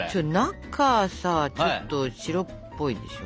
中さちょっと白っぽいでしょ？